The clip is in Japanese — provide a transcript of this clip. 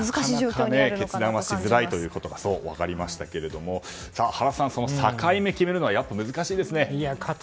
決断はしづらいということが分かりましたが原さん、境目を決めるのは難しいですね。